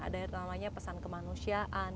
ada yang namanya pesan kemanusiaan